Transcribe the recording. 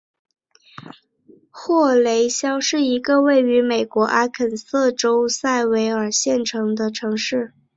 霍雷肖是一个位于美国阿肯色州塞维尔县的城市。